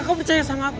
kau percaya sama aku